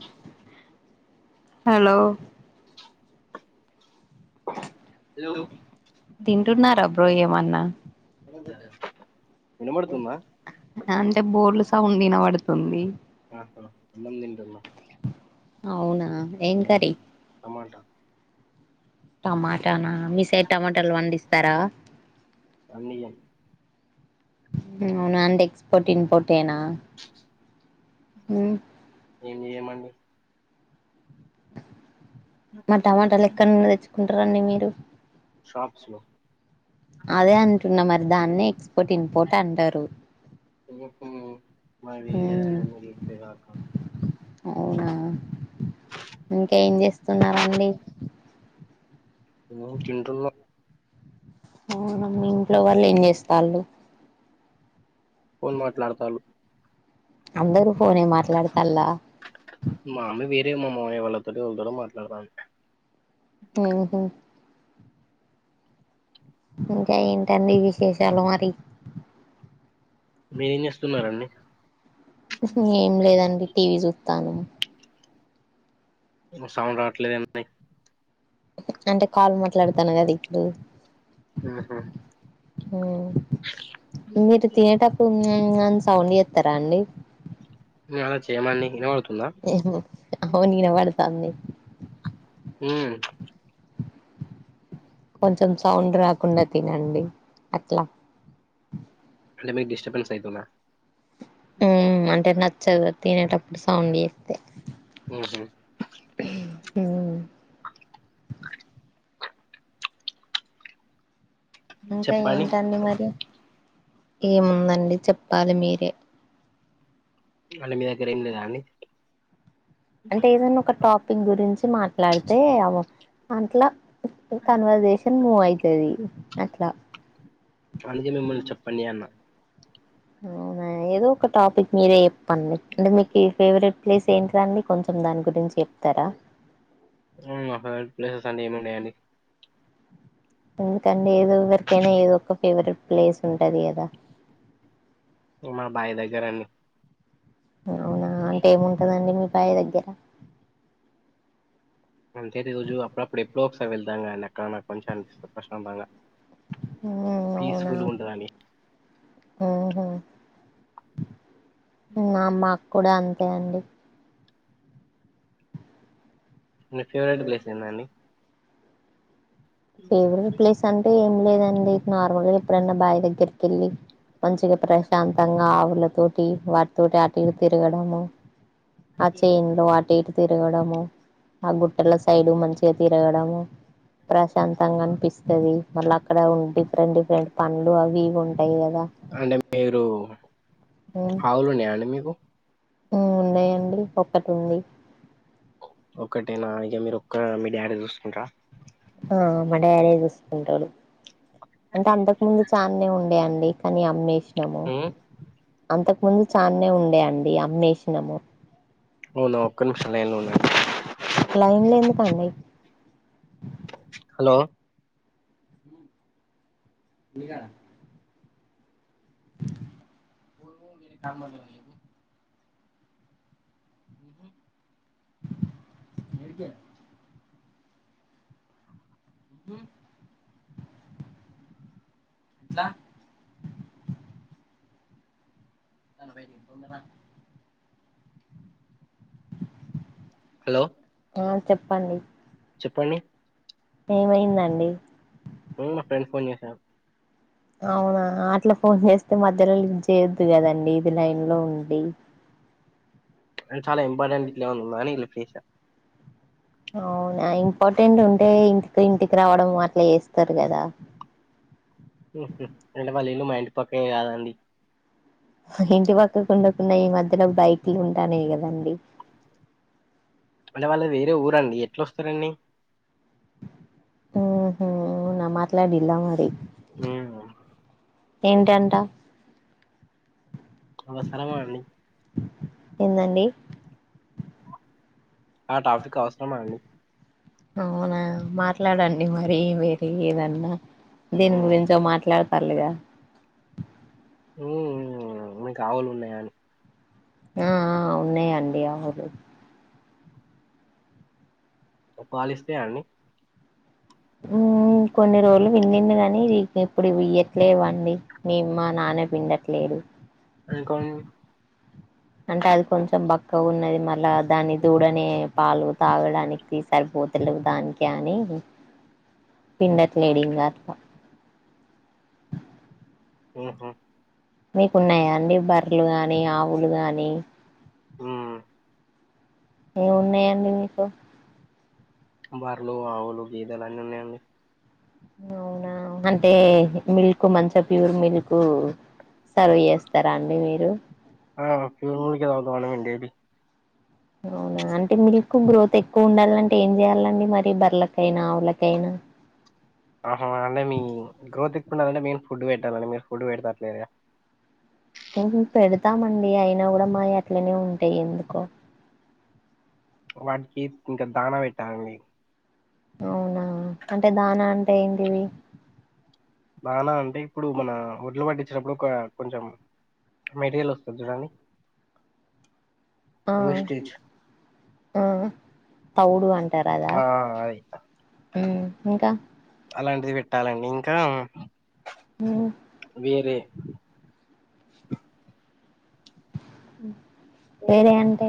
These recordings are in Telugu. చ్ హలో హలో తింటున్నార బ్రో ఏమన్నా వినబడుతుందా అంటే బుర్లు సౌండ్ విన పడుతుంది ఆ అన్నం తింటున్న అవునా ఏం కర్రీ టమాటా టమాటానా మీ సైడ్ టమాటాలు పండిస్తారా అన్నిఇగ అవునా అండి ఎక్స్పోర్ట్ ఇంపోట్ ఏనా హ ఏంచేయమండి మా టమాటాలు ఎక్కడ నుంచి తెచ్చుకుంటారంండి మీరు షప్స్లో అదే అంటున్న మరి దాన్నే ఎక్స్పోర్ట్ ఇంపోర్ట్ అంటారు హు హు మరి నువ్వు చెప్పేదాకా అవునా ఇంకా ఏం చేస్తున్నండి థింటన్న అవునమి ఇంట్లో వాళ్ళు ఏం చేస్తారు ఫోన్ మాట్లాడతారు అందరు ఫోనే మాట్లాడతల్ల మా అమ్మ వేరే మామ మమైయ వాళ్ళతోటి మాట్లాడుతుంది ఎద్ ఇంకా ఏంటండి విశేషాలు మరి మీరేం చేస్తున్నారండి ఏం లేదండి టీవీ చూస్తాను సౌండ్ రావట్లేదు ఏంటండీ అంటే కాల్ మాట్లాడతాను కదా ఇప్పుడు హహ మీరు తినేటప్పుడు ఉమ్ ఉమ్ అని సౌండ్ చేస్తారా అండి అలా చేయమండి ఇనవడుతుందా అవును ఇనవడుతాంది హ్మ్ కొంచెం సౌండ్ రాకుండా తినండి అట్లా అంటే మీకు డిస్టర్బన్స్ అయితుందా హ్మ్ అంటే నచ్చదు తినేటప్పుడు సౌండ్ చేత్తే ఒ సి హ్మ్ ఇంకా చెప్పండి ఏంటండి మరి ఏముందండి చెప్పాలి మీరే చెప్పండి మీ దగ్గర ఏం లేదా అండి అంటే ఏదైనా ఒక టాపిక్ గురించి మాట్లాడితే అ అంట్ల కన్వర్సేషన్ మూవ్ అయితది అట్లా అందుకనే మిమ్మల్ని చెప్పండి అన్న అవునా ఏదో ఒక టాపిక్ మీరే చెప్పండి అంటే మీక్ మీ ఫేవరెట్ ప్లేస్ ఏంటిదండి కొంచెం దాని గురించి చెప్తారా హ్మ్ నా ఫేవరెట్ ప్లేసెస్ అంటే ఏమి ఉన్నాయండి ఎందుకండి ఏదోవరికైనా ఏదో ఒక ఫేవరెట్ ప్లేస్ ఉంటది కదా ఇంగ మా బాయి దగ్గర అన్ అవునా అంటే ఏముంటదండి మీ బాయి దగ్గర అంతే రోజు అప్పుడప్పుడు ఎప్పుడో ఒకసారి వెళ్తాం గాని అక్కడ నాకు కొంచెం ప్రశాంతంగా పీస్ఫుల్గ ఉంటదని ఆహా మా అమ్మ కూడా అంతే అండి మీ ఫేవరెట్ ప్లేస్ ఏందండి ఫేవరెట్ ప్లేస్ అంటే ఏం లేదండి నార్మల్గా ఎప్పుడైనా బావి దగ్గరికి ఎళ్ళి మంచిగా ప్రశాంతంగా ఆవులతోటి వాటితోటి అటు ఇటు తిరగడము ఆ చేన్లో అటు ఇటు తిరగడము ఆ గుట్టల సైడ్ మంచిగా తిరగడము ప్రస్ శంతంగా అనిపిస్తది మళ్ళ అక్కడ డిఫరెంట్ డిఫరెంట్ పన్లు అవి ఇవి ఉంటాయి కదా అంటే మీరు హ్మ్ ఆవులున్నాయా అండి మీకు హ్మ్ ఉన్నాయండి ఒక్కటి ఉంది ఒకటేనా ఇగ మీరు ఒక్క మీ డాడీ చూసుకుంట్ర ఆ మా డాడే చూసుకుంటడు అంటే అంతకు ముందు చాన్నే ఉండేయండి కానీ అమ్మేసినము ఉమ్, అంతకు ముందు చాన్నే ఉండేయండి అమ్మేసినము అవునా ఒక్క నిమిషం లైన్లో ఉండండి లైన్లో ఎందుకండి హలో ఈగ మున్ముందు నీ కర్మ ఉంది నీకు ఎడికే హ్మ్ ఎట్లా నన్ను బయిటకి బొంగన హలో ఆ చెప్పండి చెప్పండి ఏమైందండి మా ఫ్రండ్ ఫోన్ చేషారు అవునా అట్లా ఫోన్ చేస్తే మధ్యలో లఫ్ చేయొద్దు గదండి ఇది లైన్ లో ఉండి చాలా ఇంపార్టెంట్లా ఉంది అని లిఫ్ జేష్న అవునా ఇంపార్టెంట్ ఉంటే ఇంటికి ఇంటికి రావడం అట్లా ఏస్తరు గదా మ్ హ్ అంటే వాళ్ళ ఇల్లు మా ఇంటి పక్కేం గాదండి ఇంటి పక్కకు ఉండకుండా ఈ మధ్యలో బైక్లు ఉంటానయ్ గదండి అంటె వాళ్ళు వేరే ఊరండి ఎట్లొస్తరండి ఊ హ్ న మాట్లాడిండా మరి మ్ ఏంటంట అవసరమా అండి ఏందండి ఆ టాపిక్ అవసరమా అండి అవునా మాట్లాడండి మరి వేర ఏదన్నా దీని హ్మ్ గురించో మాట్లాడ్ అల్లుగా మ్ మీకావులు ఉన్నాయా అని ఆ ఆ ఉన్నాయండి ఆవులు పాలిస్తయాండి కొన్ని రోజులు విండుండు గని ఇప్పుడు ఇవ్ ఇయ్యట్లేవండి మి మా నాన్న పిండట్లేదు ఇంకోల్ అంటె అది కొంచెం బక్కగున్నది మళ్ళా దాన్ని దూడనే పాలు తాగడానికి తీస్ సరిపోతులేవ్ దానికె అనీ పిండట్లేడ్ ఇంగ అట్ల మ్ హ్ మీకున్నాయా అండి బర్లు గానీ ఆవులు గానీ మ్ ఏం ఉన్నయండి మీకు బర్లు ఆవులు గేదలు అన్నీ ఉన్నయండి అవునా అంటే మిల్కు మంచ ప్యూర్ మిల్కూ సర్వ్ ఏస్తరా అండి మీరు ఆ ఫ్యూర్ [unintelligible] అవునా అంటే మీల్క్ గ్రోత్ ఎక్కువ ఉండాలంటే ఏం చేయాలండి మరి బర్లకైనా ఆవులకైనా అహా అంటే మీ గ్రోత్ ఎక్కువుడాలంటే మేన్ ఫుడ్ పెట్టాలండి మీరు ఫుడ్ పెట్తట్లేదుగా పెడతామండి అయినా గుడా మాయి అట్లనే ఉంటాయ్ ఎందుకో వాటికి ఇంక దానా వెట్టాలండి అవునా అంటె దానా అంటే ఏంటివి దానా అంటే ఇప్పుడు మనా ఒడ్లు వట్టిచ్చినప్పుడు ఒకా కొంచెం మెటీరియల్ ఒస్తది చూడండి ఆ వేస్టేజ్ ఆ తౌడు అంటార్ అదా ఆ అది మ్ ఇంకా అలాంటిది వెట్టాలండి ఇంకా ఉమ్, వేరే వేరే అంటే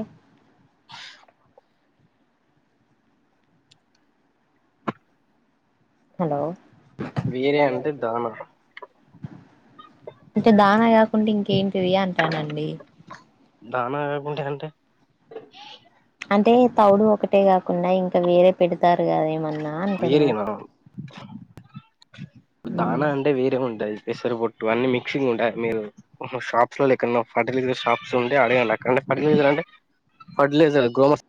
హలో వేరే అంటె దాన అంటే దానా కాకుండా ఇంకేంటివి అంటానండి. దానకాకుంట అంటే. అంటే తౌడు ఒకటే కాకుండా ఇంకా వేరే పెడతారు కదేమన్నా అంటున్నా. వేరేనా ఉమ్ దానా అంటే వేరే ఉంటది పెసర పొట్టు అన్ని మిక్సింగ్ ఉంటయి మీరు ఓహో షాప్స్ లాల ఎక్కన్నా ఫార్టిలైజర్ షాప్స్ లాల నుండి అడగల అక్కడ [unintelligible] ఫర్టిలైజర్ గ్రోమర్స్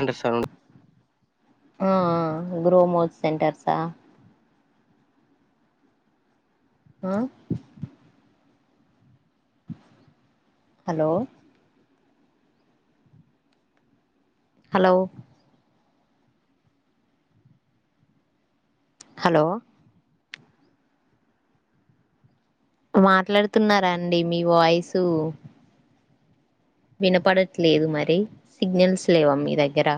అంటె సౌండ్ ఆ ఆ గ్రోమోర్ సెంటర్సా ఆ హలో హలో హలో మాట్లాడుతున్నారా అండి మీ వాయిసు వినపడట్లేదు మరి సిగ్నల్స్ లేవా మీ దగ్గర